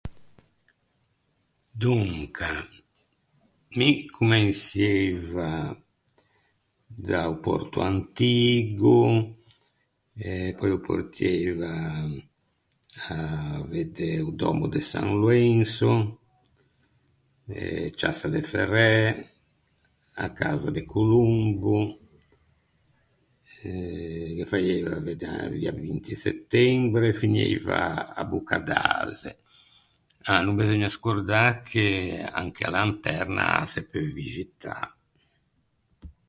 Donca, mi comensieiva da-o Pòrto Antigo, pöi ô portieiva à vedde o dòmmo de San Loenso, ciassa De Ferræ, a casa de Colombo eh ghe faieiva vedde a via Vinti Settembre, finieiva à Boccadase. Ah, no beseugna scordâ che anche a Lanterna â se peu vixitâ.